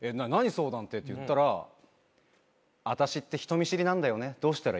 相談ってって言ったら私って人見知りなんだよねどうしたらいい？って。